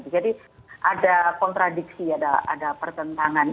jadi ada kontradiksi ada pertentangan